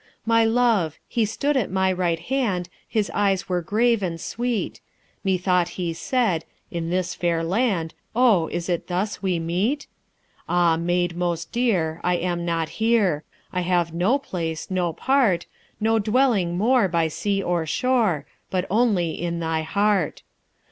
"My love! He stood at my right hand, His eyes were grave and sweet. Methought he said, 'In this fair land, O, is it thus we meet? Ah, maid most dear, I am not here; I have no place, no part, No dwelling more by sea or shore! But only in thy heart!'